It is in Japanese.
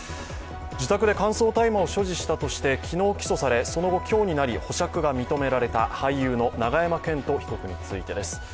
自宅で乾燥大麻を所持したとして昨日起訴され、その後今日になり保釈が認められた俳優の永山絢斗被告についてです。